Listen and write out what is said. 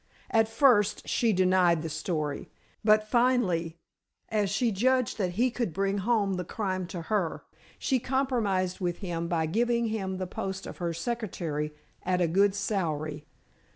At first she denied the story, but finally, as she judged that he could bring home the crime to her, she compromised with him by giving him the post of her secretary at a good salary.